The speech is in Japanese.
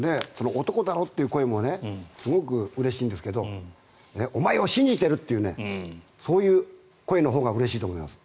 男だろって声もすごいうれしいんですけどお前を信じてるっていうそういう声のほうがうれしいと思います。